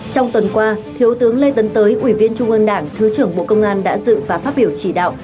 trong tuần qua thiếu tướng lê tấn tới ủy viên trung ương đảng thứ trưởng bộ công an đã dự và phát biểu chỉ đạo